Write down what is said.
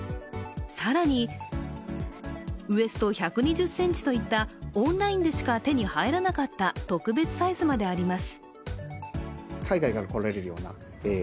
更に、ウエスト１２０ｃｍといったオンラインでしか手に入らなかった特別サイズまであります。